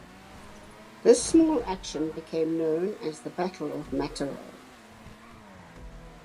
This small action became known as the Battle of Mataro.